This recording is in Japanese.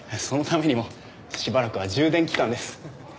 そのためにもしばらくは充電期間です。